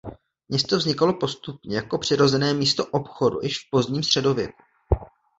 Město vznikalo postupně jako přirozené místo obchodu již v pozdním středověku.